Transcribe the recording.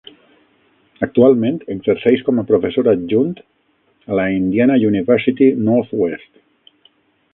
Actualment exerceix com a professor adjunt a la Indiana University-Northwest.